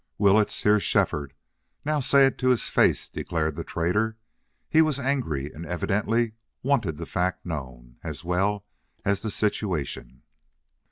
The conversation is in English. "Willetts, here's Shefford. Now say it to his face!" declared the trader. He was angry and evidently wanted the fact known, as well as the situation.